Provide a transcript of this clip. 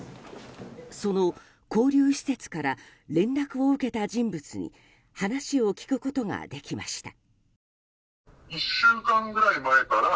その勾留施設から連絡を受けた人物に話を聞くことができました。